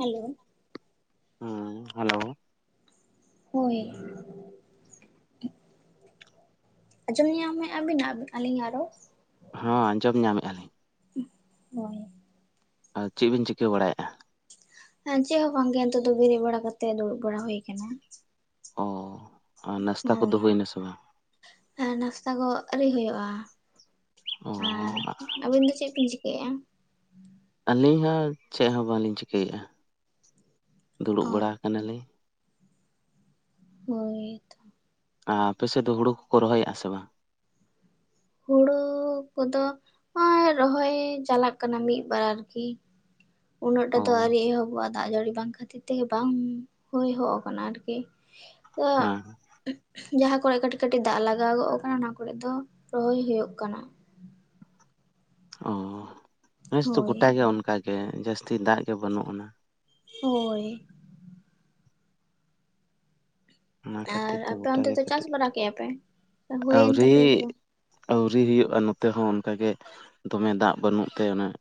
ᱟᱞᱳᱜ ᱾ ᱟᱸ ᱦᱮᱞᱳ ᱾ ᱦᱳᱭ, ᱴᱤᱡ -ᱴᱷᱚᱡ--ᱴᱚᱡ ᱾ ᱟᱸᱡᱚᱢᱮᱜ-ᱟ ᱢᱮ ᱟᱵᱤᱱ ᱱᱟᱜ ᱟᱞᱤᱧᱟᱜ ᱨᱚᱲ? ᱦᱚᱸᱸ ᱟᱸᱡᱚᱢ ᱧᱟᱢᱮᱜᱼ ᱟ ᱞᱤᱧ ᱾ ᱷᱩᱸ ᱦᱚᱭ ᱾ ᱟᱨ ᱪᱮᱜ ᱵᱤᱱ ᱪᱤᱠᱟᱹ ᱵᱟᱲᱟᱭᱮᱜᱼᱟ? ᱦᱮᱸ ᱪᱮᱜ ᱦᱚᱸ ᱵᱟᱝᱜᱮ ᱱᱤᱛᱚᱜ ᱫᱚ ᱵᱮᱹᱨᱮᱹᱜ ᱵᱟᱲᱟ ᱠᱟᱛᱮ ᱫᱩᱲᱩᱵ ᱵᱟᱲᱟ ᱦᱳᱭ ᱠᱟᱱᱟ ᱾ ᱚᱻ ᱱᱟᱥᱛᱟ ᱠᱚᱫᱚ ᱦᱳᱭᱱᱟ ᱥᱮ ᱵᱟᱝ? ᱥᱟᱜ ᱱᱟᱥᱛᱟ ᱠᱚ ᱟᱹᱨᱤ ᱦᱳᱭᱳᱜᱼᱟ ᱚ ᱟᱨ ᱟᱵᱤᱱ ᱫᱚ ᱪᱮᱜ ᱵᱤᱱ ᱪᱤᱠᱟᱹᱭ ᱮᱜ-ᱟ? ᱟᱞᱤᱧ ᱦᱚᱸ ᱪᱮᱜ ᱦᱚᱸ ᱵᱟᱝᱞᱤᱧ ᱪᱤᱠᱟᱹᱭᱮᱜᱼᱟ ᱫᱩᱲᱩᱵ ᱚ ᱵᱟᱲᱟ ᱟᱠᱟᱱᱟ ᱞᱤᱧ ᱾ ᱦᱳᱭ ᱛᱚ ᱾ ᱟᱯᱮ ᱥᱮᱫ ᱫᱚ ᱦᱳᱲᱳ ᱠᱚᱠᱚ ᱨᱚᱦᱚᱭᱮᱜᱼᱟ ᱥᱮ ᱵᱟᱝ? ᱦᱳᱲᱳᱻ ᱠᱚᱫᱚ, ᱮᱸᱻ ᱨᱚᱦᱚᱭ ᱪᱟᱞᱟᱜ ᱠᱟᱱᱟ ᱢᱤᱫ ᱵᱟᱨ ᱟᱨᱠᱤ ᱾ ᱩᱱᱟᱹᱜ ᱴᱟ ᱚ ᱛᱚ ᱟᱹᱣᱨᱤ ᱮᱦᱚᱵᱚᱜ ᱟ ᱛ ᱾ ᱫᱟᱜ ᱡᱟᱹᱲᱤ ᱵᱟᱝ ᱠᱷᱟᱹᱛᱤᱨ ᱛᱮᱜᱮ ᱵᱟᱝ ᱦᱩᱭ ᱦᱚᱜ ᱟᱠᱟᱱᱟ ᱟᱨᱠᱤ ᱟᱹᱜ ᱮᱸᱜ, ᱦᱮᱸ ᱡᱟᱦᱟᱸ ᱠᱚᱨᱮ ᱠᱟᱹᱴᱤᱡ ᱠᱟᱹᱴᱤᱡ ᱫᱟᱜ ᱞᱟᱜᱟᱣ ᱜᱚᱫ ᱠᱟᱱᱟ ᱚᱱᱟ ᱠᱚᱨᱮ ᱫᱚ ᱨᱚᱦᱚᱭ ᱦᱳᱭᱳᱜ ᱠᱟᱱᱟ ᱾ ᱚᱻ ᱱᱮᱥ ᱫᱚᱚ ᱦᱳᱭ ᱜᱚᱴᱟᱜᱮ ᱚᱱᱠᱟᱜ ᱜᱮ ᱡᱟᱹᱥᱛᱤ ᱫᱟᱜ ᱜᱮ ᱵᱟᱱᱩᱜ ᱟᱱᱟ ᱾ ᱦᱳᱭ ᱾ ᱚᱱᱟ ᱟᱨ ᱠᱷᱟᱹᱛᱤᱨ ᱛᱮ ᱟᱯᱮ ᱚᱱᱛᱮ ᱜᱚᱴᱟᱜᱮ ᱫᱚ ᱪᱟᱥ ᱠᱟᱹᱴᱤᱡ ᱵᱟᱲᱟ ᱠᱮᱜᱼᱟ ᱯᱮ? ᱦᱩᱭᱮᱱ ᱟᱹᱣᱨᱤ ᱛᱟᱯᱮᱭᱟ ᱥᱮ ᱾ ᱵᱟᱝ? ᱟᱹᱣᱨᱤ ᱦᱩᱭᱩᱜᱼᱟ ᱱᱚᱛᱮ ᱦᱚᱸ ᱚᱱᱠᱟ ᱜᱮ ᱫᱚᱢᱮ ᱫᱟᱜ ᱵᱟᱹᱱᱩᱜ ᱛᱮ ᱚᱱᱮ ᱾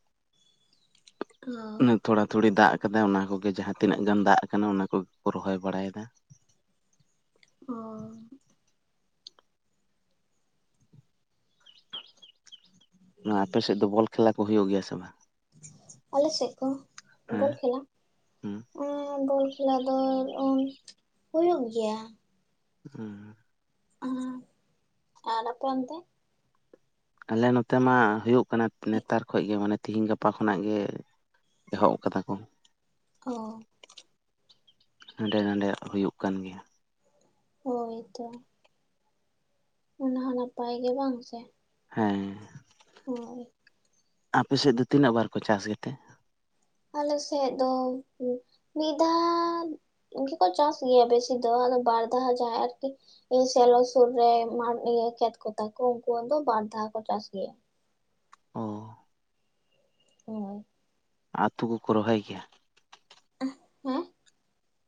ᱠᱚ-ᱜ ᱾ ᱚᱱᱟ ᱛᱷᱚᱲᱟ-ᱛᱷᱩᱲᱤ ᱫᱟᱜ ᱟᱠᱟᱫᱟᱭ ᱚᱱᱟ ᱠᱚᱜᱮ ᱡᱟᱦᱟᱸ ᱛᱤᱱᱟᱹᱜ ᱫᱟᱜ ᱠᱟᱱᱟ ᱚᱱᱟ ᱠᱚᱜᱮ ᱠᱚ ᱨᱚᱦᱚᱭ ᱵᱟᱲᱟᱭ ᱮᱫᱟ ᱾ ᱯ-ᱪᱚᱜ ᱚ ᱾ ᱱᱚᱣᱟ ᱟᱯᱮ ᱥᱮᱫ ᱫᱚ ᱵᱚᱞ ᱠᱷᱮᱞᱟ ᱠᱚ ᱦᱳᱭᱳᱜ ᱜᱮᱭᱟ ᱥᱮ ᱵᱟᱝ? ᱟᱞᱮ ᱥᱮᱜ ᱠᱚ ᱦᱮᱸ ᱵᱚᱞ ᱠᱷᱮᱞᱟ? ᱦᱩᱸ ᱮᱸ ᱵᱚᱞ ᱠᱷᱮᱞᱟ ᱫᱚ ᱚᱜ ᱦᱩᱭᱩᱜ ᱜᱮᱭᱟ ᱾ ᱟᱸ ᱟᱸ, ᱟᱨ ᱟᱯᱮ ᱚᱱᱛᱮ? ᱟᱞᱮ ᱱᱚᱛᱮ ᱢᱟ ᱦᱳᱭᱳᱜ ᱠᱟᱱᱟ ᱱᱮᱛᱟᱨ ᱠᱷᱚᱡ ᱜᱮ ᱢᱟᱱᱮ ᱛᱮᱹᱦᱮᱹᱧ ᱜᱟᱯᱟ ᱠᱷᱚᱱᱟᱜ ᱜᱮ ᱾ ᱮᱦᱚᱵ ᱟᱠᱟᱫᱟ ᱠᱚ ᱾ ᱚ ᱾ ᱫᱩᱲᱩᱵ-ᱠᱟᱛᱮᱜ ᱦᱟᱸᱰᱮ ᱱᱟᱰᱮ ᱦᱩᱭᱩᱜ ᱠᱟᱱ ᱜᱮᱭᱟ ᱾ ᱦᱳᱭ ᱛᱚ᱾ ᱚᱱᱟ ᱦᱚᱸ ᱱᱟᱯᱟᱭ ᱜᱮ ᱵᱟᱝ ᱥᱮ᱾ ᱦᱮᱸ᱾ ᱦᱳᱭ ᱟᱯᱮ ᱥᱮᱫ ᱫᱚ ᱛᱤᱱᱟᱹᱜ ᱵᱟᱨ ᱠᱚ ᱪᱟᱥ ᱜᱮᱛᱮ? ᱟᱞᱮ ᱥᱮᱫ ᱫᱚ ᱢᱤᱫ ᱫᱷᱟᱣ᱾ ᱤᱱᱠᱟᱹ ᱠᱚ ᱪᱟᱥ ᱜᱮᱭᱟ ᱵᱮᱥᱤ ᱫᱚ ᱵᱟᱨ ᱫᱷᱟᱣ ᱡᱟᱦᱟᱭᱸ ᱟᱨᱠᱤ ᱥᱮᱞᱚ ᱥᱩᱨ ᱨᱮ ᱢᱟᱴ ᱤᱭᱟᱹ ᱠᱷᱮᱛ ᱠᱚᱛᱟ ᱠᱚ ᱩᱱᱠᱩᱟᱜ ᱫᱚ ᱵᱟᱨ ᱫᱷᱟᱣ ᱠᱚ ᱪᱟᱥ ᱜᱮᱭᱟ᱾ ᱚ᱾ ᱦᱳᱭ᱾ ᱟᱛᱩ ᱠᱚᱠᱚ ᱨᱚᱦᱚᱭ ᱜᱮᱭᱟ? ᱦᱮᱸ᱾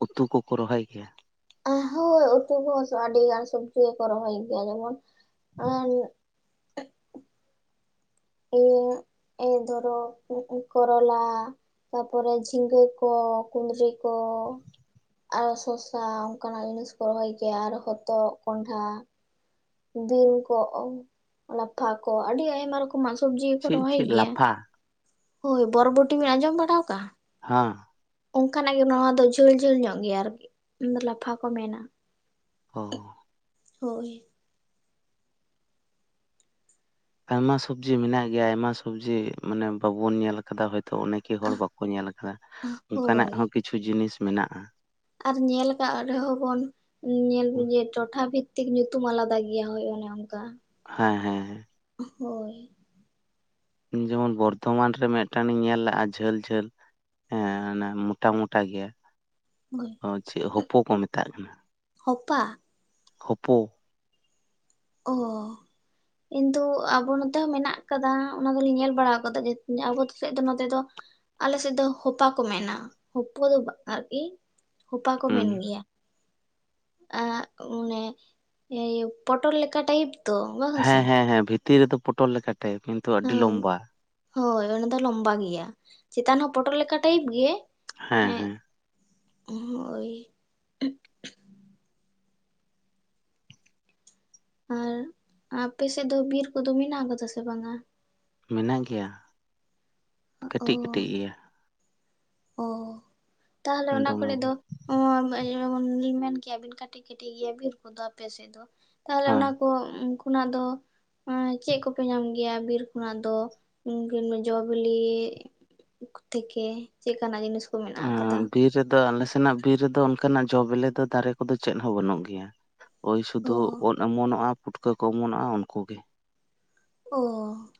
ᱩᱛᱩ ᱠᱚᱠᱚ ᱨᱚᱦᱚᱭ ᱜᱮᱭᱟ? ᱮᱸ ᱦᱳᱭ ᱩᱛᱩ ᱠᱚᱦᱚᱸ ᱟᱹᱰᱤ ᱜᱟᱱ ᱥᱚᱵᱡᱤ ᱜᱮᱠᱚ ᱨᱚᱦᱚᱭ ᱜᱮᱭᱟ ᱡᱮᱢᱚᱱ ᱮ ᱮᱭ ᱮ ᱫᱷᱚᱨᱚ ᱠᱩ ᱠᱚᱨᱚᱞᱟ᱾ ᱛᱟᱯᱚᱨᱮ ᱡᱷᱤᱸᱜᱟᱹ ᱠᱚ ᱠᱩᱸᱫᱽᱨᱤ ᱠᱚ᱾ ᱟᱨᱚ ᱥᱚᱥᱟ ᱚᱱᱠᱟᱱᱟᱜ ᱡᱤᱱᱤᱥ ᱠᱚ ᱨᱚᱦᱚᱭ ᱜᱮᱭᱟ ᱟᱨ ᱦᱚᱛᱚᱫ ᱠᱚᱸᱰᱷᱟ᱾ ᱵᱤᱱ ᱠᱚ ᱞᱟᱯᱷᱟ ᱠᱚ ᱟᱹᱰᱤ ᱟᱭᱢᱟ ᱨᱚᱠᱚᱢ ᱢᱟᱜ ᱥᱚᱵᱽᱡᱤ ᱠᱚ ᱪᱮᱫ ᱨᱚᱦᱚᱭ ᱪᱮᱫ ᱜᱮᱭᱟ ᱞᱟᱯᱷᱟ ᱦᱳᱭ ᱵᱚᱨᱵᱚᱴᱤ ᱵᱤᱱ ᱟᱸᱡᱚᱢ ᱵᱟᱲᱟ ᱟᱠᱟᱫᱟ? ᱦᱟᱸ᱾ ᱚᱱᱠᱟ ᱱᱟᱜ ᱜᱮ ᱱᱚᱣᱟ ᱫᱚ ᱡᱷᱟᱹᱞ ᱡᱷᱟᱹᱞ ᱧᱚᱜ ᱜᱮᱭᱟ ᱟᱨᱠᱤ ᱞᱟᱯᱷᱟ ᱠᱚ ᱢᱮᱱᱟ᱾ ᱚᱻ᱾ ᱦᱳᱭ᱾ ᱟᱭᱢᱟ ᱥᱚᱵᱡᱤ ᱢᱮᱱᱟᱜ ᱜᱮᱭᱟ ᱟᱭᱢᱟ ᱥᱚᱵᱡᱤ ᱢᱟᱱᱮ ᱵᱟᱵᱚᱱ ᱧᱮᱞ ᱟᱠᱟᱫᱟ ᱦᱚᱭᱛᱚ ᱚᱱᱮᱠ ᱠᱤ ᱦᱚᱲ ᱵᱟᱠᱚ ᱧᱮᱞ ᱟᱠᱟᱫᱟ ᱚᱱᱠᱟᱱᱟᱜ ᱦᱳᱭ ᱦᱚᱸ ᱠᱤᱪᱷᱩ ᱡᱤᱱᱤᱥ ᱢᱮᱱᱟᱜᱼᱟ᱾ ᱟᱨ ᱧᱮᱞ ᱟᱠᱟᱫ ᱨᱮᱦᱚᱸ ᱵᱚᱱ ᱧᱮᱞ ᱵᱩᱡᱮ ᱴᱚᱴᱷᱟ ᱵᱷᱤᱛ ᱛᱤᱠ ᱧᱩᱛᱩᱢ ᱟᱞᱟᱫᱟ ᱜᱮᱭᱟ ᱦᱳᱭ ᱚᱱᱮ ᱚᱱᱠᱟ᱾ ᱦᱮᱸ ᱦᱮᱸᱦᱮᱸ᱾ ᱦᱳᱭ᱾ ᱡᱮᱢᱚᱱ ᱵᱚᱨᱫᱷᱚᱢᱟᱱ ᱨᱮ ᱢᱤᱫ ᱴᱟᱝᱧ ᱧᱮᱞ ᱞᱮᱼᱟ ᱡᱷᱟᱹᱞ ᱡᱷᱟᱹᱞ ᱦᱮᱸ ᱚᱱᱟ ᱢᱚᱴᱟ ᱢᱚᱴᱟ ᱜᱮᱭᱟ ᱦᱳᱭ ᱦᱚ ᱪᱮᱫ ᱦᱚᱯᱚ ᱠᱚ ᱢᱮᱛᱟᱜ ᱠᱟᱱᱟ᱾ ᱦᱚᱯᱟ ᱦᱚᱯᱚ᱾ ᱚᱻ᱾ ᱠᱤᱱᱛᱩ ᱟᱵᱚ ᱱᱚᱛᱮ ᱦᱚᱸ ᱢᱮᱱᱟᱜ ᱠᱟᱫᱟ ᱚᱱᱟ ᱫᱚᱞᱤᱧ ᱧᱮᱞ ᱵᱟᱲᱟ ᱟᱠᱟᱫᱟ ᱟᱵᱚ ᱥᱮᱫ ᱫᱚ ᱱᱚᱛᱮ ᱫᱚ ᱟᱞᱮ ᱥᱮᱫ ᱫᱚ ᱦᱚᱯᱟ ᱠᱚ ᱢᱮᱱᱟ ᱦᱚᱯᱚ ᱫᱚ ᱵᱟᱝ ᱟᱨᱠᱤ ᱦᱚᱯᱟ ᱠᱚ ᱢᱮᱱ ᱦᱩᱸ ᱜᱮᱭᱟ᱾ ᱮᱸᱜ ᱚᱱᱮ ᱤᱭᱳ ᱯᱚᱴᱚᱞ ᱞᱮᱠᱟ ᱴᱟᱭᱤᱯ? ᱛᱚ ᱵᱟᱝ ᱥᱮ ᱦᱮᱸ ᱦᱮᱸ ᱦᱮᱸ ᱵᱷᱤᱛᱤᱨ ᱨᱮᱫᱚ ᱯᱚᱴᱚᱞ ᱞᱮᱠᱟ ᱴᱟᱭᱤᱞ ᱠᱤᱱᱛᱩ ᱟᱹᱰᱤ ᱞᱚᱢᱵᱟ᱾ ᱦᱳᱭ ᱚᱱᱟ ᱫᱚ ᱞᱚᱢᱵᱟ ᱜᱮᱭᱟ, ᱪᱮᱛᱟᱱ ᱦᱚᱸ ᱯᱚᱴᱚᱞ ᱞᱮᱠᱟ ᱴᱟᱭᱤᱯ ᱜᱮ? ᱦᱮᱸ ᱦᱮᱸ᱾ ᱦᱳᱭ᱾ ᱟᱨ ᱟᱯᱮ ᱥᱮᱫ ᱫᱚ ᱵᱤᱨ ᱠᱚᱫᱚ ᱢᱮᱱᱟᱜ ᱠᱟᱫᱟ ᱥᱮ ᱵᱟᱝᱟ? ᱢᱮᱱᱟᱜ ᱜᱮᱭᱟ ᱠᱟᱹᱴᱤᱡ ᱚ ᱠᱟᱹᱴᱤᱡ ᱜᱮᱭᱟ᱾ ᱚ ᱛᱟᱦᱚᱞᱮ ᱚᱱᱟ ᱫᱚᱢᱮ ᱠᱚᱨᱮ ᱫᱚ ᱵᱚᱲᱚ ᱡᱮᱢᱚᱱ ᱢᱮᱱ ᱠᱮᱜᱼᱟ ᱵᱤᱱ ᱠᱟᱹᱴᱤᱡ ᱠᱟᱹᱴᱤᱡ ᱤᱭᱟᱹ ᱵᱤᱨ ᱠᱚᱫᱚ ᱟᱯᱮ ᱥᱮᱫ ᱫᱚ ᱛᱟᱦᱚᱞᱮ ᱦᱮᱸ ᱚᱱᱟ ᱠᱚ ᱩᱱᱠᱩᱚᱱᱟᱜ ᱫᱚ ᱮᱸ ᱪᱮᱫ ᱠᱚᱯᱮ ᱧᱟᱢ ᱜᱮᱭᱟ ᱵᱤᱨ ᱠᱷᱚᱱᱟᱜ ᱫᱚ [inaudible] ᱡᱚ ᱵᱤᱞᱤ ᱛᱷᱮᱠᱮ ᱪᱮᱫᱠᱟ ᱱᱟᱜ ᱡᱤᱱᱤᱥ ᱠᱚ ᱢᱮᱱᱟᱜ ᱟᱠᱟᱫᱟ? ᱮᱸ ᱵᱤᱨ ᱨᱮᱫᱚ ᱟᱞᱮ ᱥᱮᱱᱟᱜ ᱵᱤᱨ ᱨᱮᱫᱚ ᱚᱱᱠᱟᱱᱟᱜ ᱡᱚ ᱵᱤᱞᱤ ᱫᱚ ᱫᱟᱨᱮ ᱠᱚᱫᱚ ᱪᱮᱫ ᱦᱚᱸ ᱵᱟᱹᱱᱩᱜ ᱜᱮᱭᱟ᱾ ᱳᱭ ᱚ ᱥᱩᱫᱷᱩ ᱩᱫ ᱚᱢᱚᱱᱚᱜᱼᱟ ᱯᱩᱴᱠᱟᱹ ᱠᱚ ᱚᱢᱚᱱᱚᱜᱼᱟ ᱩᱱᱠᱩᱜ ᱜᱮ᱾ ᱚ᱾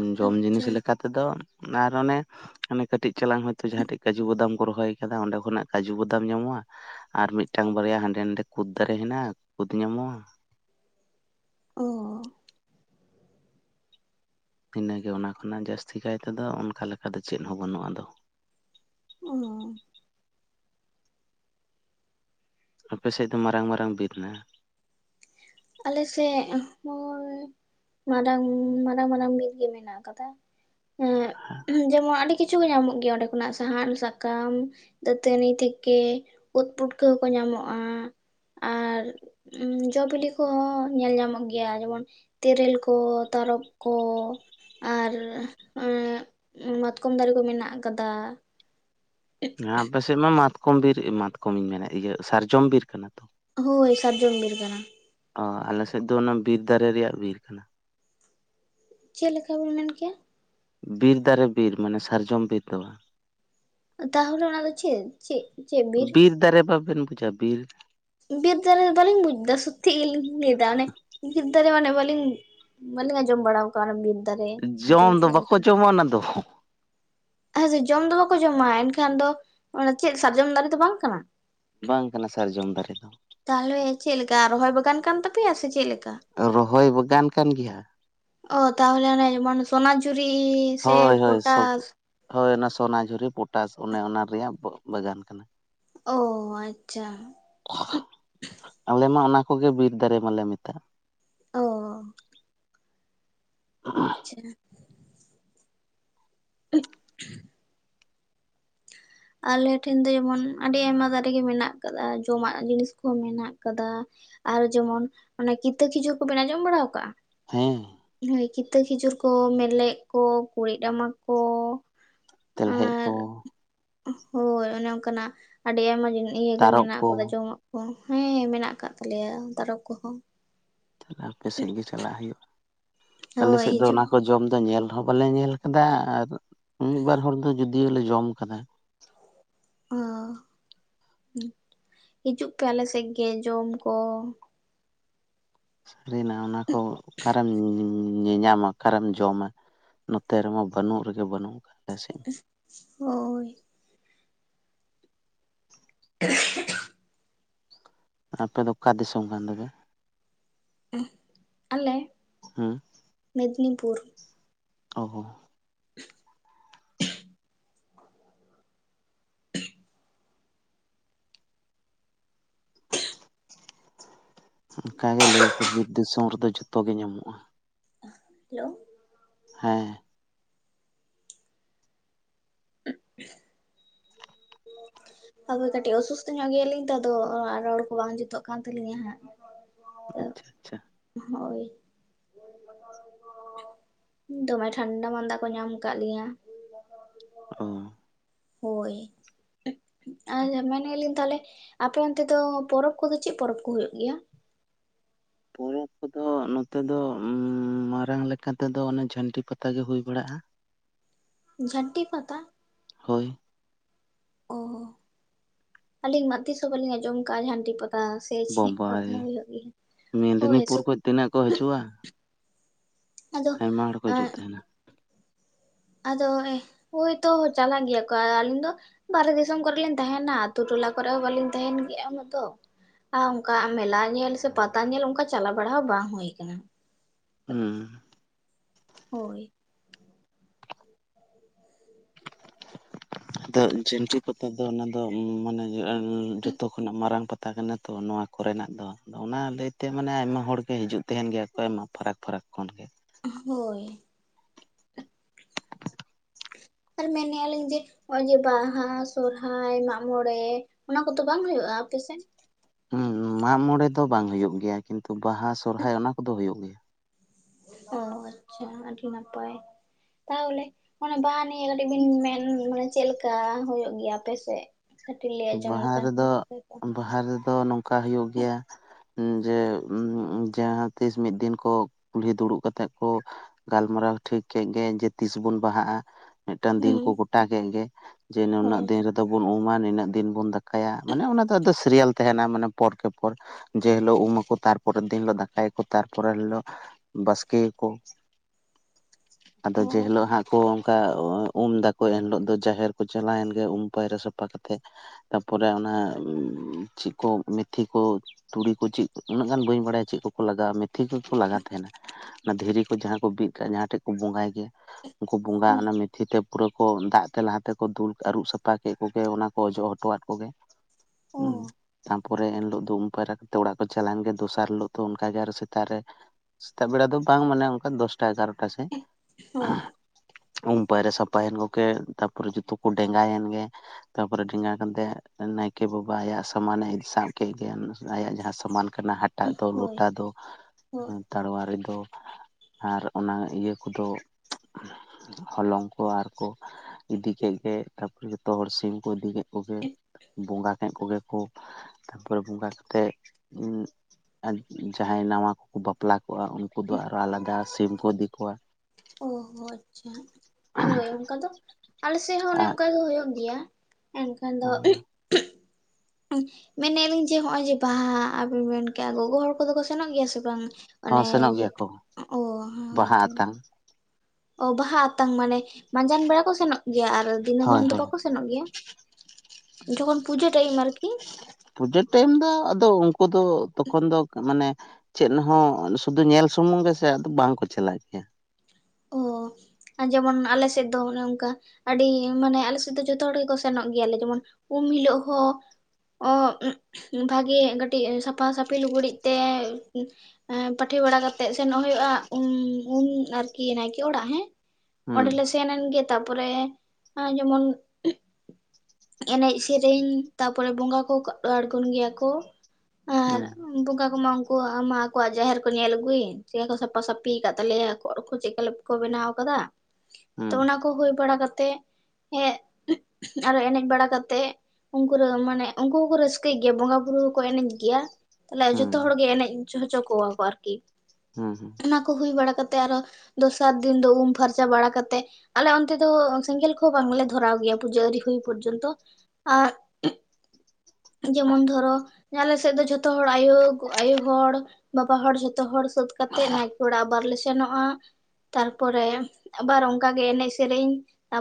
ᱩᱸ ᱡᱚᱢ ᱡᱤᱱᱤᱥ ᱟᱪᱪᱷᱟ ᱞᱮᱠᱟ ᱛᱮᱫᱚ ᱟᱨ ᱚᱱᱮ ᱚᱱᱮ ᱠᱟᱹᱴᱤᱡ ᱪᱟᱞᱟᱝ ᱦᱚᱭᱛᱳ ᱡᱟᱦᱟᱸ ᱴᱷᱮᱡ ᱠᱟᱡᱩ ᱵᱟᱫᱟᱢ ᱠᱚ ᱨᱚᱦᱚᱭ ᱠᱟᱫᱟ ᱚᱸᱰᱮ ᱠᱷᱚᱱᱟᱜ ᱠᱟᱡᱩ ᱵᱟᱫᱟᱢ ᱧᱟᱢᱚᱜᱼᱟ, ᱟᱨ ᱢᱤᱫᱴᱟᱝ ᱵᱟᱨᱭᱟ ᱦᱟᱸᱰᱮ ᱱᱟᱰᱮ ᱠᱩᱫᱽ ᱫᱟᱨᱮ ᱦᱮᱱᱟᱜᱼᱟ ᱠᱩᱫ ᱧᱟᱢᱚᱜᱼᱟ, ᱚ᱾ ᱤᱱᱟᱹ ᱜᱮ ᱚᱱᱟ ᱠᱷᱚᱱᱟᱜ ᱡᱟᱹᱥᱛᱤ ᱠᱟᱭ ᱛᱮᱫᱚ ᱚᱱᱠᱟ ᱞᱮᱠᱟ ᱫᱚ ᱪᱮᱫ ᱦᱚᱸ ᱵᱟᱹᱱᱩᱜᱼᱟ ᱟᱫᱚ᱾ ᱚ᱾ ᱟᱯᱮ ᱥᱮᱫ ᱫᱚ ᱢᱟᱨᱟᱝ ᱢᱟᱨᱟᱝ ᱵᱤᱨ ᱢᱮᱱᱟᱜ-ᱟ? ᱟᱞᱮ ᱥᱮᱫ ᱦᱳᱭ ᱢᱟᱨᱟᱝ, ᱢᱟᱨᱟᱝ ᱢᱟᱨᱟᱝ ᱵᱤᱨ ᱜᱮ ᱢᱮᱱᱟᱜ ᱟᱠᱟᱫᱟ ᱮᱸ ᱡᱮᱢᱚᱱ ᱟᱹᱰᱤ ᱠᱤᱪᱷᱩ ᱜᱮ ᱧᱟᱢᱚᱜ ᱜᱮᱭᱟ ᱚᱸᱰᱮ ᱠᱷᱚᱱᱟᱜ ᱥᱟᱦᱟᱱ ᱥᱟᱠᱟᱢ ᱫᱟᱹᱛᱟᱹᱱᱤ ᱛᱷᱮᱠᱮ ᱩᱫ ᱯᱩᱴᱠᱟᱹ ᱦᱚᱸᱠᱚ ᱧᱟᱢᱚᱜᱼᱟ᱾ ᱟᱨ ᱩᱸ ᱡᱚ ᱵᱤᱞᱤ ᱠᱚᱦᱚᱸ ᱧᱮᱞ ᱧᱟᱢᱚᱜ ᱜᱮᱭᱟ ᱡᱮᱢᱚᱱ ᱛᱮᱨᱮᱞ ᱠᱚ ᱛᱟᱨᱚᱚᱵ ᱠᱚ ᱟᱨ ᱮᱸᱜ ᱢᱟᱛᱠᱚᱢ ᱫᱟᱨᱮ ᱠᱚ ᱢᱮᱱᱟᱜ ᱟᱠᱟᱫᱟ᱾ ᱦᱮᱸ ᱟᱯᱮ ᱥᱮᱫ ᱢᱟ ᱢᱟᱛ ᱠᱚᱢ ᱵᱤᱨ ᱢᱟᱛᱠᱚᱢ ᱤᱧ ᱢᱮᱱᱟ ᱤᱭᱟᱹ ᱥᱟᱨᱡᱚᱢ ᱵᱤᱨ ᱠᱟᱱᱟ ᱛᱚ? ᱦᱳᱭ ᱥᱟᱨᱡᱚᱱ ᱵᱤᱨ ᱠᱟᱱᱟ᱾ ᱚ ᱟᱞᱮ ᱥᱮᱫ ᱫᱚ ᱚᱱᱟ ᱵᱤᱨ ᱫᱟᱨᱮ ᱨᱮᱭᱟᱜ ᱵᱤᱨ ᱠᱟᱱᱟ᱾ ᱪᱮᱫ ᱞᱮᱠᱟ ᱵᱤᱱ ᱢᱮᱱ ᱠᱮᱜᱼᱟ? ᱵᱤᱨ ᱫᱟᱨᱮ ᱵᱤᱨ ᱢᱟᱱᱮ ᱥᱟᱨᱡᱚᱢ ᱵᱤᱨ ᱫᱚ ᱵᱟᱝ᱾ ᱛᱟᱦᱚᱞᱮ ᱚᱱᱟ ᱫᱚ ᱪᱮᱫ ᱪᱮᱫ ᱪᱮᱫ ᱵᱤᱨ? ᱵᱤᱨ ᱫᱟᱨᱮ ᱵᱟᱵᱮᱱ ᱵᱩᱡᱟ? ᱵᱤᱨ ᱵᱤᱨ ᱫᱟᱨᱮ ᱫᱚ ᱵᱟᱹᱞᱤᱧ ᱵᱩᱡᱽ ᱮᱫᱟ ᱥᱚᱛᱛᱤ ᱜᱮᱞᱤᱧ ᱞᱟᱹᱭᱫᱟ ᱚᱱᱮ ᱵᱤᱨ ᱫᱟᱨᱮ ᱢᱟᱱᱮ ᱵᱟᱹᱞᱤᱧ ᱵᱟᱞᱤᱧ ᱟᱸᱡᱚᱢ ᱵᱟᱲᱟᱣ ᱚᱠᱟᱨᱮ ᱵᱤᱨ ᱫᱟᱨᱮ? ᱡᱚᱢ ᱫᱚ ᱵᱟᱠᱚ ᱡᱚᱢᱟ ᱚᱱᱟ ᱫᱚ᱾ ᱦᱮᱸ ᱛᱚ ᱡᱚᱢ ᱫᱚ ᱵᱟᱠᱚ ᱡᱚᱢᱟ ᱮᱱᱠᱷᱟᱱ ᱫᱚ ᱚᱱᱟ ᱪᱮᱫ ᱥᱟᱨᱡᱚᱢ ᱫᱟᱨᱮ ᱫᱚ ᱵᱟᱝ ᱠᱟᱱᱟ? ᱵᱟᱝ ᱠᱟᱱᱟ ᱥᱟᱨᱡᱚᱢ ᱫᱟᱨᱮ ᱫᱚ᱾ ᱛᱟᱦᱚᱞᱮ ᱪᱮᱫ ᱞᱮᱠᱟ ᱨᱚᱦᱚᱭ ᱵᱟᱜᱟᱱ ᱠᱟᱱ ᱛᱟᱯᱮᱭᱟ ᱥᱮ ᱪᱮᱫ ᱞᱮᱠᱟ? ᱨᱚᱦᱚᱭ ᱵᱟᱜᱟᱱ ᱠᱟᱱ ᱜᱮᱭᱟ᱾ ᱚ ᱛᱟᱦᱚᱞᱮ ᱚᱱᱮ ᱡᱮᱢᱚᱱ ᱥᱚᱱᱟ ᱡᱷᱩᱨᱤ ᱥᱮ ᱦᱳᱭ ᱦᱳᱭ ᱥᱚᱵ ᱯᱚᱴᱟᱥ ᱦᱳᱭ ᱚᱱᱟ ᱥᱚᱱᱟ ᱡᱷᱩᱨᱤ ᱯᱚᱴᱟᱥ ᱚᱱᱮ ᱚᱱᱟ ᱨᱮᱭᱟᱜ ᱵᱟ ᱵᱟᱜᱟᱱ ᱠᱟᱱᱟ᱾ ᱚ ᱟᱪᱪᱷᱟ᱾ ᱟᱞᱮ ᱢᱟ ᱚᱱᱟ ᱠᱚᱜᱮ ᱵᱤᱨ ᱫᱟᱨᱮ ᱢᱟᱞᱮ ᱢᱮᱛᱟᱜᱼᱟ᱾ ᱚ᱾ ᱟᱪᱪᱷᱟ᱾ [inaudible] ᱟᱞᱮ ᱴᱷᱮᱱ ᱫᱚ ᱡᱮᱢᱚᱱ ᱟᱹᱰᱤ ᱟᱭᱢᱟ ᱫᱟᱨᱮ ᱜᱮ ᱢᱮᱱᱟᱜ ᱟᱠᱟᱫᱟ ᱡᱚᱢᱟᱜ ᱡᱤᱱᱤᱥ ᱠᱚᱦᱚᱸ ᱢᱮᱱᱟᱜ ᱟᱠᱟᱫᱟ᱾ ᱟᱨ ᱡᱮᱢᱚᱱ ᱚᱱᱮ ᱠᱤᱛᱟᱹ ᱠᱷᱤᱡᱩᱨ ᱠᱚ ᱵᱮᱱᱟᱣ ᱡᱚᱢ ᱵᱟᱲᱟ ᱠᱟᱜᱼᱟ? ᱦᱮᱸ᱾ ᱦᱳᱭ ᱠᱤᱛᱟᱹ ᱠᱷᱤᱡᱩᱨ ᱠᱚ ᱢᱮᱞᱮᱫ ᱠᱚ ᱠᱩᱲᱤᱫ ᱨᱟᱢᱟ ᱠᱚ ᱛᱮᱞᱦᱮᱫ ᱠᱚ᱾ ᱟᱨ ᱦᱳᱭ ᱚᱱᱮ ᱚᱱᱠᱟᱱᱟᱜ ᱟᱹᱰᱤ ᱟᱭᱢᱟᱤᱱ ᱤᱭᱟᱹᱮ ᱛᱟᱨᱚᱵ ᱢᱮᱱᱟᱜ ᱟᱠᱟᱫᱟ ᱠᱚ ᱡᱚᱢᱟᱜ᱾ ᱦᱮᱸ ᱢᱮᱱᱟᱜ ᱟᱠᱟᱫ ᱛᱟᱞᱮᱭᱟ ᱛᱟᱨᱚᱵ ᱠᱚᱦᱚᱸ᱾ ᱟᱯᱮ ᱥᱮᱫ ᱜᱮ ᱪᱟᱞᱟᱜ ᱦᱩᱭᱩᱜᱼᱟ ᱟᱞᱮ ᱦᱳᱭ ᱥᱮᱫ ᱫᱚ ᱦᱤᱡᱩᱜ ᱚᱱᱟ ᱠᱚ ᱡᱚᱢ ᱫᱚ ᱧᱮᱞᱦᱚᱸ ᱵᱟᱞᱮ ᱧᱮᱞ ᱟᱠᱟᱫᱟ ᱟᱨ ᱢᱤᱫᱤ ᱵᱟᱨ ᱦᱚᱲ ᱫᱚ ᱡᱩᱫᱤᱭᱳᱞ ᱞᱮ ᱡᱚᱢ ᱟᱠᱟᱫᱟ᱾ ᱚᱻ ᱦᱤᱡᱩᱜ ᱯᱮ ᱟᱞᱮ ᱥᱮᱫ ᱜᱮ ᱡᱚᱢ ᱠᱚ᱾ ᱥᱟᱨᱤᱱᱟᱜ ᱚᱱᱟᱠᱚ ᱚᱠᱟᱨᱮ᱾ [unintelligible] ᱧᱮᱧᱟᱢᱟ ᱚᱠᱟᱨᱮᱢ ᱡᱚᱢᱟ ᱱᱚᱛᱮ ᱨᱮᱢᱟ ᱵᱟᱹᱱᱩᱜ ᱨᱮᱜᱮ ᱵᱟᱹᱱᱩᱜ ᱟᱠᱟᱫᱟ ᱥᱮ ᱦᱳᱭ᱾ [inaudible] ᱟᱯᱮᱚ ᱚᱠᱟ ᱫᱤᱥᱚᱢ ᱠᱟᱱ ᱛᱟᱯᱮ? ᱩᱸ ᱟᱞᱮ᱾ ᱦᱩᱸ᱾ ᱢᱮᱫᱽᱱᱤᱯᱩᱨ᱾ ᱚ ᱦᱚᱸ᱾ ᱚᱱᱠᱟᱜᱮ ᱞᱟᱹᱭᱟᱠᱚ ᱵᱤᱨ ᱫᱤᱥᱚᱢ ᱨᱮᱫᱚ ᱡᱷᱚᱛᱚ ᱜᱮ ᱧᱟᱢᱚᱜᱼᱟ᱾ ᱦᱮᱞᱳ᱾ ᱦᱮᱸ᱾ [inaudible] [inaudible] ᱟᱫᱚ ᱠᱟᱹᱴᱤᱡ ᱚᱥᱩᱥᱛᱷᱚ ᱧᱚᱜ ᱜᱮᱭᱟᱞᱤᱧ ᱛᱚ ᱟᱫᱚ ᱨᱚᱲ ᱠᱚ ᱵᱟᱝ ᱡᱩᱛᱩᱜ ᱠᱟᱱ ᱛᱟᱹᱞᱤᱧᱟ ᱦᱟᱸᱜ᱾ ᱟᱪᱪᱷᱟ ᱟᱪᱪᱷᱟ ᱛᱚ ᱦᱳᱭ᱾ ᱫᱚᱢᱮ ᱴᱷᱟᱱᱰᱟ ᱢᱟᱫᱟ ᱠᱚ ᱧᱟᱢ ᱟᱠᱟᱫ ᱞᱤᱧᱟᱹ᱾ ᱚ᱾ ᱦᱳᱭ᱾ ᱟᱨ ᱢᱮᱱᱮᱜ ᱞᱤᱧ ᱛᱟᱦᱚᱞᱮ ᱟᱯᱮ ᱚᱱᱛᱮ ᱫᱚ ᱯᱚᱨᱚᱵᱽ ᱠᱚᱫᱚ ᱪᱮᱫ ᱯᱚᱨᱚᱵᱽ ᱠᱚ ᱦᱩᱭᱩᱜ ᱜᱮᱭᱟ? ᱯᱚᱨᱚᱵᱽ ᱠᱚᱫᱚ ᱱᱚᱛᱮ ᱫᱚ ᱢᱟᱨᱟᱝ ᱞᱮᱠᱟᱛᱮᱫᱚ ᱚᱱᱮ ᱡᱷᱟᱹᱱᱴᱤ ᱯᱟᱛᱟ ᱜᱮ ᱦᱩᱭ ᱵᱟᱲᱟᱜᱼᱟ᱾ ᱡᱷᱟᱱᱴᱤ ᱯᱟᱛᱟ᱾ ᱦᱳᱭ᱾ ᱚ ᱟᱹᱞᱤᱧ ᱢᱟ ᱛᱤᱥ ᱦᱚᱸ ᱵᱟᱞᱤᱤᱧ ᱟᱸᱡᱚᱢ ᱠᱟᱜᱼᱟ ᱡᱷᱟᱱᱴᱤ ᱯᱚᱛᱟᱥ᱾ ᱥᱮᱪᱮᱫ ᱯᱟᱛᱷᱟ ᱵᱟᱵᱟᱨᱮ ᱦᱩᱭᱩᱜ ᱜᱮᱭᱟ ᱢᱮᱫᱽᱱᱤᱯᱩᱨ ᱦᱳᱭᱥᱚ ᱠᱷᱚᱡ ᱛᱤᱱᱟᱹᱜ ᱠᱚ ᱦᱤᱡᱩᱜᱼᱟ ᱟᱫᱚ ᱟᱭᱢᱟ ᱦᱚᱲ ᱠᱚ ᱮᱸ ᱦᱤᱡᱩᱜ ᱛᱟᱦᱮᱱᱟ ᱟᱫᱚ ᱦᱳᱭᱛᱚ ᱪᱟᱞᱟᱜ ᱜᱮᱭᱟ ᱠᱚ ᱟᱹᱞᱤᱧ ᱫᱚ ᱵᱟᱦᱦᱨᱮ ᱫᱤᱥᱚᱢ ᱠᱚᱨᱮ ᱞᱤᱧ ᱛᱟᱦᱮᱱᱟ ᱟᱹᱛᱩ ᱴᱚᱞᱟ ᱠᱚᱨᱮ ᱦᱚᱸ ᱵᱟᱹᱞᱤᱧ ᱛᱟᱦᱮᱱ ᱜᱮᱼᱟ ᱩᱱᱟᱹᱜ ᱫᱚ᱾ ᱟᱨ ᱚᱱᱠᱟ ᱢᱮᱞᱟ ᱧᱮᱞ ᱥᱮ ᱯᱟᱛᱟ ᱧᱮᱞ ᱚᱱᱠᱟ ᱪᱟᱞᱟᱣ ᱵᱟᱲᱟ ᱦᱚᱸ ᱵᱟᱝ ᱦᱩᱭ ᱟᱠᱟᱱᱟ᱾ ᱦᱮᱸ᱾ ᱦᱳᱭ᱾ [inaudible] ᱟᱫᱚ ᱡᱷᱤᱱᱠ ᱯᱟᱛᱟ ᱫᱚ ᱚᱱᱟ ᱫᱚ ᱢᱟᱱᱮ ᱡᱚᱛᱚ ᱠᱷᱚᱱᱟᱜ ᱢᱟᱨᱟᱝ ᱯᱟᱛᱟ᱾ ᱠᱟᱱᱟ ᱛᱚ ᱱᱚᱣᱟ ᱠᱚᱨᱮᱱᱟᱜ ᱫᱚ ᱟᱫᱚ ᱚᱱᱟ ᱞᱟᱹᱭᱛᱮ ᱢᱟᱱᱮ ᱟᱭᱢᱟ ᱦᱚᱲᱜᱮ ᱦᱤᱡᱩᱜ ᱛᱟᱦᱮᱱ ᱜᱮᱭᱟ ᱠᱚ ᱟᱭᱢᱟ ᱯᱷᱟᱨᱟᱠ ᱯᱷᱟᱨᱟᱠ ᱠᱷᱚᱱ ᱜᱮ᱾ ᱦᱳᱭ᱾ ᱟᱨ ᱢᱮᱱᱮᱜ ᱟᱞᱤᱧ ᱡᱮ ᱱᱚᱜᱼᱚᱭ ᱡᱮ ᱵᱟᱦᱟ, ᱥᱚᱨᱦᱟᱭ, ᱢᱟᱜᱢᱚᱬᱮ ᱚᱱᱟ ᱠᱚᱫᱚ ᱵᱟᱝ ᱦᱩᱭᱩᱜᱼᱟ ᱟᱯᱮᱥᱮᱫ ᱦᱮᱸ ᱢᱟᱜᱢᱚᱬᱮ ᱫᱚ ᱵᱟᱝ ᱦᱩᱭᱩᱜ ᱜᱮᱭᱟ ᱠᱤᱱᱛᱩ ᱵᱟᱦᱟ ᱥᱚᱨᱦᱟᱭ ᱚᱱᱟ ᱠᱚᱫᱚ ᱦᱩᱭᱩᱜ ᱜᱮᱭᱟ ᱚ ᱟᱪᱪᱷᱟ ᱟᱰᱤ ᱱᱟᱯᱟᱭ ᱛᱟᱦᱚᱞᱮ ᱚᱱᱮ ᱵᱟᱦᱟ ᱱᱤᱭᱮ ᱠᱟᱹᱴᱤᱡ ᱵᱤᱱ ᱢᱮᱱ ᱢᱟᱱᱮ ᱪᱮᱫ ᱞᱮᱠᱟ ᱦᱩᱭᱩᱜ ᱜᱮᱭᱟ ᱟᱯᱮᱥᱮᱫ ᱠᱟᱹᱴᱤᱡ ᱞᱟᱹᱭ ᱟᱸᱡᱚᱢᱚᱜ ᱵᱟᱦᱟ ᱞᱮᱱᱠᱷᱟᱱ ᱨᱮᱫᱚ ᱦᱩᱭ ᱠᱚ ᱜᱮᱭᱟ ᱵᱟᱦᱟ ᱨᱮᱫᱚ ᱱᱚᱝᱠᱟ ᱦᱩᱭᱩᱜ ᱜᱮᱭᱟ ᱡᱮ ᱡᱟᱦᱟᱸ ᱛᱤᱥ ᱢᱤᱫ ᱫᱤᱱ ᱠᱚ ᱠᱩᱞᱦᱤ ᱫᱩᱲᱩᱵ ᱠᱟᱛᱮᱜ ᱠᱚ ᱜᱟᱞᱢᱟᱨᱟᱣ ᱴᱷᱤᱠ ᱠᱮᱫ ᱜᱮ ᱡᱮ ᱛᱤᱥ ᱵᱚᱱ ᱵᱟᱦᱟᱜᱼᱟ ᱢᱤᱫᱴᱟᱝ ᱫᱤᱱ ᱠᱚ ᱜᱚᱴᱟ ᱠᱮᱫ ᱜᱮ ᱡᱮ ᱱᱩᱱᱟᱹᱜ ᱦᱳᱭ ᱫᱤᱱ ᱨᱮᱫᱚ ᱵᱚᱱ ᱩᱢᱟ ᱱᱤᱱᱟᱹᱜ ᱫᱤᱱ ᱵᱚᱱ ᱫᱟᱠᱟᱭᱟ ᱢᱟᱱᱮ ᱚᱱᱟ ᱫᱚ ᱥᱤᱨᱤᱭᱟᱞ ᱛᱟᱦᱮᱱᱟ ᱢᱟᱱᱮ ᱯᱚᱨ ᱠᱮ ᱯᱚᱨ ᱡᱮ ᱦᱤᱞᱳᱜ ᱩᱢ ᱟᱠᱚ ᱛᱟᱨᱯᱚᱨᱮᱨ ᱫᱤᱱ ᱦᱤᱞᱳᱜ ᱫᱟᱠᱟᱭᱟᱠᱚ ᱛᱟᱨᱯᱚᱨᱮ ᱦᱤᱞᱳᱜ ᱵᱟᱥᱠᱮᱭᱟ ᱠᱚ ᱟᱫᱚ ᱡᱮ ᱚ ᱦᱤᱞᱳᱜ ᱦᱟᱸᱜ ᱠᱚ ᱚᱱᱠᱟ ᱩᱢ ᱫᱟᱠᱚ ᱮᱱ ᱦᱤᱞᱚᱜ ᱫᱚ ᱡᱟᱦᱮᱨ ᱠᱚ ᱪᱟᱞᱟᱣᱮᱱ ᱜᱮ ᱩᱢ ᱯᱟᱭᱨᱟ ᱥᱟᱯᱷᱟ ᱠᱟᱛᱮᱜ ᱛᱟᱯᱚᱨᱮ ᱚᱱᱟ ᱪᱮᱫ ᱠᱚ ᱢᱤᱛᱷᱤ ᱠᱚ ᱛᱩᱲᱤ ᱠᱚ ᱪᱮᱫ ᱩᱱᱟᱹᱜ ᱜᱟᱱ ᱵᱟᱹᱧ ᱵᱟᱲᱟᱭᱟ ᱪᱮᱫ ᱠᱚᱠᱚ ᱞᱟᱜᱟᱣᱼᱟ ᱢᱮᱛᱷᱤ ᱠᱚ ᱠᱚ ᱞᱟᱜᱟᱣ ᱛᱟᱦᱮᱱᱟ ᱚᱱᱟ ᱫᱷᱤᱨᱤ ᱠᱚ ᱡᱟᱦᱟᱸ ᱠᱚ ᱵᱤᱫ ᱠᱟᱜ ᱡᱟᱦᱟᱸ ᱴᱷᱮᱡ ᱠᱚ ᱵᱚᱸᱜᱟᱭ ᱜᱮᱭᱟ ᱩᱱᱠᱩ ᱵᱚᱸᱜᱟ ᱦᱳᱭ ᱚᱱᱟ ᱢᱮᱛᱷᱤ ᱛᱮ ᱯᱩᱨᱟᱹ ᱠᱚ ᱫᱟᱜ ᱛᱮ ᱞᱟᱦᱟ ᱛᱮᱠᱚ ᱫᱩᱞ ᱟᱹᱨᱩᱵ ᱥᱟᱯᱷᱟ ᱠᱮᱫ ᱠᱚᱜᱮ ᱚᱱᱟ ᱠᱚ ᱚᱡᱚᱜ ᱦᱚᱴᱚᱣᱟᱫ ᱠᱚᱜᱮ ᱦᱩᱸ ᱛᱟᱨᱯᱚᱨᱮ ᱮᱱᱦᱤᱞᱳᱜ ᱫᱚ ᱩᱢ ᱯᱟᱭᱨᱟ ᱠᱟᱛᱮᱫ ᱚᱲᱟᱜ ᱠᱚ ᱪᱟᱞᱟᱣᱮᱱ ᱜᱮ ᱫᱚᱥᱟᱨ ᱦᱤᱞᱳᱜ ᱫᱚ ᱚᱱᱠᱟᱜᱮ ᱥᱮᱛᱟᱜ ᱨᱮ ᱥᱮᱛᱟᱜ ᱵᱮᱲᱟ ᱫᱚ ᱵᱟᱝ ᱢᱟᱱᱮ ᱚᱱᱠᱟ ᱫᱚᱥᱴᱟ ᱮᱜᱟᱨᱚᱴᱟ ᱥᱮᱫ ᱦᱩᱸ ᱩᱢ ᱯᱟᱭᱨᱟ ᱥᱟᱯᱷᱟᱭᱮᱱ ᱠᱚᱜᱮ ᱛᱟᱨᱯᱚᱨᱮ ᱡᱚᱛᱚ ᱠᱚ ᱰᱮᱸᱜᱟᱭᱮᱱ ᱜᱮ ᱛᱟᱯᱚᱨᱮ ᱰᱮᱸᱜᱟ ᱠᱟᱛᱮᱫ ᱱᱟᱭᱠᱮ ᱵᱟᱵᱟ ᱟᱭᱟᱜ ᱥᱟᱢᱟᱱᱮ ᱥᱟᱵ ᱠᱮᱫ ᱜᱮ ᱟᱭᱟᱜ ᱡᱟᱦᱟᱸ ᱥᱟᱢᱟᱱ ᱠᱟᱱᱟ... ᱦᱟᱴᱟᱜ ᱫᱚ ᱞᱚᱴᱟ ᱫᱚ ᱦᱮᱸ ᱛᱟᱲᱣᱟᱨᱤ ᱫᱚ ᱟᱨ ᱚᱱᱟ ᱤᱭᱟᱹ ᱠᱚᱫᱚ ᱦᱚᱞᱚᱝ ᱠᱚ ᱟᱨᱠᱚ ᱤᱫᱤ ᱠᱮᱫ ᱜᱮ ᱛᱟᱯᱚᱨᱮ ᱡᱚᱛᱚ ᱦᱚᱲ ᱥᱤᱢ ᱠᱚ ᱤᱫᱤ ᱠᱮᱫ ᱠᱚᱜᱮ ᱵᱚᱸᱜᱟ ᱠᱮᱫ ᱠᱚᱜᱮ ᱠᱚ ᱛᱟᱯᱚᱨᱮ ᱵᱚᱸᱜᱟ ᱠᱟᱛᱮᱫ ᱡᱟᱦᱟᱸᱭ ᱱᱟᱣᱟ ᱠᱚᱠᱚ ᱵᱟᱯᱞᱟ... ᱠᱚᱜ-ᱟ ᱩᱱᱠᱩ ᱫᱚ ᱟᱨᱚ ᱟᱞᱟᱫᱟ ᱥᱤᱢ ᱠᱚ ᱤᱫᱤ ᱠᱚᱣᱟ ᱚ ᱟᱪᱪᱷᱟ ᱦᱟᱸᱜ ᱦᱳᱭ ᱚᱱᱠᱟ ᱫᱚ ᱟᱞᱮ ᱥᱮᱫ ᱦᱚᱸ ᱚᱱᱮ ᱚᱱᱠᱟ ᱫᱚ ᱦᱩᱭᱩᱜ ᱜᱮᱭᱟ ᱮᱱᱠᱷᱟᱱ ᱫᱚ ᱢᱮᱱᱮᱫ ᱞᱤᱧ ᱡᱮ ᱱᱚᱜᱼᱚᱭ ᱡᱮ ᱵᱟᱦᱟ ᱟᱵᱤᱱ ᱢᱮᱱ ᱠᱮᱜᱼᱟ ᱜᱚᱜᱚ ᱦᱚᱲ ᱠᱚᱫᱚ ᱠᱚ ᱥᱮᱱᱚᱜ ᱜᱮᱭᱟ ᱥᱮ ᱵᱟᱝ ᱦᱚᱸ ᱚᱱᱮ ᱥᱮᱱᱚᱜ ᱡᱮ ᱜᱮᱭᱟ ᱠᱚ ᱚ ᱵᱟᱦᱟ ᱦᱳᱭᱛᱳ ᱟᱛᱟᱝ ᱚ ᱵᱟᱦᱟ ᱟᱛᱟᱝ ᱢᱟᱱᱮ ᱢᱟᱸᱡᱟᱱ ᱵᱮᱲᱟ ᱠᱚ ᱥᱮᱱᱚᱜ ᱜᱮᱭᱟ ᱟᱨ ᱦᱳᱭ ᱫᱤᱱᱟᱹᱢᱟᱱ ᱫᱚ ᱦᱳᱭ ᱵᱟᱠᱚ ᱥᱮᱱᱚᱜ ᱜᱮᱭᱟ ᱡᱚᱠᱷᱚᱱ ᱯᱩᱡᱟᱹ ᱴᱟᱭᱤᱢ ᱟᱨᱠᱤ ᱯᱩᱡᱟᱹ ᱴᱟᱭᱤᱢ ᱫᱚ ᱟᱫᱚ ᱩᱱᱠᱩ ᱫᱚ ᱛᱚᱠᱷᱚᱱ ᱫᱚ ᱢᱟᱱᱮ ᱪᱮᱫ ᱦᱚᱸ ᱥᱩᱫᱷᱩ ᱧᱮᱞ ᱥᱩᱢᱩᱝ ᱜᱮ ᱥᱮ ᱫᱚ ᱵᱟᱝ ᱠᱚ ᱪᱟᱞᱟᱜ ᱜᱮᱭᱟ ᱾ ᱚ [inaudible] ᱡᱮᱢᱚᱱ ᱟᱞᱮᱥᱮᱫ ᱫᱚ ᱚᱱᱮ ᱚᱱᱠᱟ ᱟᱰᱤ ᱢᱟᱱᱮ ᱟᱞᱮ ᱥᱮᱫ ᱫᱚ ᱡᱚᱛᱚ ᱦᱚᱲ ᱜᱮᱠᱚ ᱥᱮᱱᱚᱜ ᱜᱮᱭᱟᱞᱮ ᱡᱮᱢᱚᱱ ᱩᱢ ᱦᱤᱞᱳᱜ ᱦᱚᱸ ᱚ ᱵᱷᱟᱜᱮ ᱠᱟᱹᱴᱤᱡ ᱥᱟᱯᱷᱟ ᱥᱟᱯᱷᱤ ᱞᱩᱜᱽᱲᱤᱡ ᱛᱮ ᱮᱸ ᱯᱟᱴᱷᱮ ᱵᱟᱲᱟ ᱠᱟᱛᱮᱜ ᱥᱮᱱᱚᱜ ᱦᱩᱭᱩᱜᱼᱟ ᱩᱢ ᱟᱨ... ᱠᱤᱱ ᱱᱟᱭᱠᱤ ᱚᱲᱟᱜ ᱦᱮ ᱦᱩᱸ ᱚᱸᱰᱮ ᱥᱮ ᱱᱮᱱᱜᱮ ᱛᱟᱨᱯᱚᱨᱮ ᱡᱮᱢᱚᱱ ᱮᱱᱮᱡ ᱥᱮᱨᱮᱧ ᱛᱟᱯᱚᱨᱮ ᱵᱚᱸᱜᱟ ᱠᱚ ᱟᱬᱜᱚᱱ ᱜᱮᱭᱟ ᱠᱚ᱾ ᱟᱨ ᱦᱩᱸ᱾ ᱵᱚᱸᱜᱟ ᱠᱩ ᱢᱟᱠᱩ ᱢᱟ ᱠᱚ ᱡᱟᱦᱮᱟᱨ ᱠᱚ ᱧᱮᱞ ᱟᱹᱜᱩᱭ ᱪᱮᱫ ᱞᱮᱠᱟ ᱠᱚ ᱥᱟᱯᱟ ᱥᱟᱯᱤ ᱠᱟᱫ ᱛᱟᱞᱮᱭᱟ᱾ ᱪᱮᱫᱠᱟ ᱠᱚ ᱵᱮᱱᱟᱣ ᱠᱟᱫᱟ ᱛᱚ ᱦᱩᱸ ᱚᱱᱟ ᱠᱚ ᱦᱩᱭ ᱵᱟᱲᱟ ᱠᱟᱛᱮ ᱦᱮ ᱟᱨᱚ ᱮᱱᱮᱡ ᱵᱟᱲᱟ ᱠᱟᱛᱮᱜ ᱩᱱᱠᱩ ᱫᱚ ᱢᱟᱱᱮ ᱩᱱᱠᱩ ᱦᱚᱸᱠᱚ ᱨᱟᱹᱥᱠᱟᱹᱭ ᱜᱮᱭᱟ ᱵᱚᱸᱜᱟ ᱵᱩᱨᱩ ᱦᱚᱸᱠᱚ ᱮᱱᱮᱡ ᱜᱮᱭᱟ ᱾ ᱛᱟᱦᱚᱞᱮ ᱦᱩᱸ ᱡᱷᱚᱛᱚ ᱦᱚᱲᱜᱮ ᱮᱱᱮᱡ ᱦᱚᱪᱚ ᱠᱚᱣᱟ ᱠᱚ ᱟᱨᱠᱤ᱾ ᱦᱩᱸ ᱦᱩᱸ ᱚᱱᱟ ᱠᱚ ᱦᱩᱭ ᱵᱟᱲᱟ ᱠᱟᱛᱮᱜ ᱟᱨᱚ ᱫᱚᱥᱟᱨ ᱫᱤᱱ ᱫᱚ ᱩᱢ ᱯᱷᱟᱨᱪᱟ ᱵᱟᱲᱟ ᱠᱟᱛᱮᱫ ᱟᱞᱮ ᱚᱱᱛᱮ ᱫᱚ ᱥᱮᱸᱜᱮᱞ ᱠᱚᱦᱚᱸ ᱵᱟᱝᱞᱮ ᱫᱷᱚᱨᱟᱣ ᱜᱮᱭᱟ ᱯᱩᱡᱟᱹ ᱟᱹᱨᱤ ᱦᱩᱭ ᱯᱚᱨᱡᱚᱱᱛᱚ᱾ ᱟ ᱡᱮᱢᱚᱱ ᱫᱷᱚᱨᱚ ᱟᱞᱮ ᱥᱮᱫ ᱫᱚ ᱡᱷᱚᱛᱚ ᱦᱚᱲ ᱟᱭᱳ ᱟᱭᱳ ᱦᱚᱲ ᱵᱟᱵᱟ ᱦᱚᱲ ᱡᱷᱚᱛᱚ ᱦᱚᱲ ᱥᱟᱹᱛ ᱠᱟᱛᱮᱜ ᱱᱟᱭᱠᱮ ᱚᱲᱟᱜ ᱟᱵᱟᱨ ᱞᱮ ᱥᱮᱱᱚᱜ-ᱟ᱾ ᱛᱟᱨᱯᱚᱨᱮ ᱟᱵᱟᱨ ᱚᱱᱝᱠᱟᱜᱮ ᱮᱱᱮᱡ ᱥᱮᱨᱮᱧ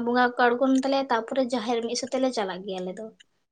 ᱵᱚᱸᱜᱟ ᱠᱚᱠᱚ ᱟᱬᱜᱳᱱ ᱛᱟᱞᱮᱭᱟ ᱛᱟᱨᱯᱚᱨᱮ ᱡᱟᱦᱮᱨ ᱢᱤᱫ ᱥᱟᱛᱮ ᱞᱮ ᱪᱟᱞᱟᱜ ᱜᱮᱭᱟ ᱟᱞᱮ ᱫᱚ᱾